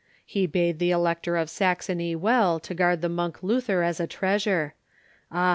He bade the Elector of Saxony well to guard the monk Luther as a treasure. Ah!